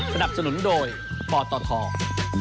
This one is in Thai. สนับสนุนโดยป่าต่อทอง